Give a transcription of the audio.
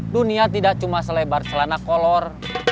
dunia tidak cuma selebar celana kolor